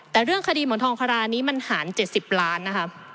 แต่เรื่องคดีเหมือนทองคารานี้มันหาร๗๐ล้านนะคะ